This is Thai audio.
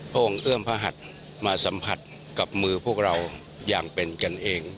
องค์เอื้อมพระหัสมาสัมผัสกับมือพวกเราอย่างเป็นกันเอง